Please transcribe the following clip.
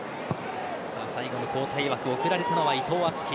最後の交代枠送られたのは伊藤敦樹。